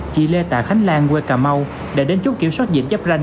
chị lê tạ khánh lan quê cà mau đã đến chút kiểm soát dịch chấp ranh